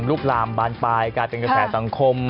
ลูกลามบานปลายกลายเป็นกระแสสังคม